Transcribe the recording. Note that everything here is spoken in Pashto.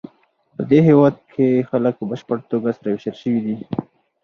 پدې هېواد کې خلک په بشپړه توګه سره وېشل شوي دي.